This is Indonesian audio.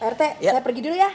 r t saya pergi dulu ya